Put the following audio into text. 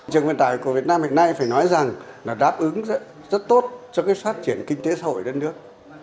trường vận tải của việt nam hiện nay phải nói rằng là đáp ứng rất tốt cho cái phát triển kinh tế xã hội đất nước